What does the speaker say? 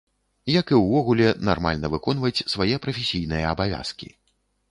Як і ўвогуле нармальна выконваць свае прафесійныя абавязкі.